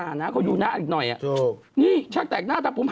นั่นมันยังเด็กเลยเอามาปุ๊บ